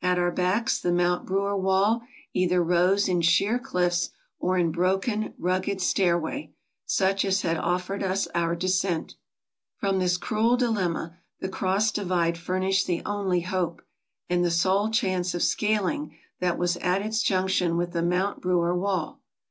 At our backs the Mount Brewer wall either rose in sheer cliffs or in broken, rugged stairway, such as had offered us our descent. From this cruel dilemma the cross divide furnished the only hope, and the sole chance of scaling that was at its junction with the Mount Brewer wall.